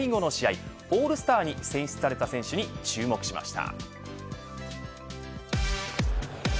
今日は前半戦最後の試合オールスターに選出された選手に注目しました。